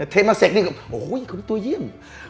เทมเมอร์เสกนี่โอ้โหเขาเป็นตัวเยี่ยม